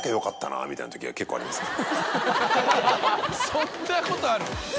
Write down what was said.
そんなことある？